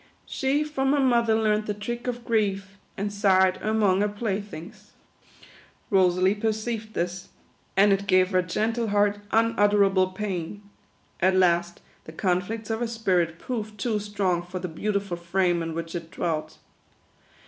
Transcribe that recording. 11 She from her mother learnt the trick of grief, And sighed among her playthings." Rosalie perceived this ; and it gave her gentle heart unutterable pain. At last, the conflicts of her spirit proved too strong for the beautiful frame in which it dwelt.